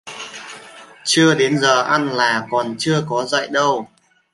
Chưa đến giờ ăn là con chưa có dậy đâu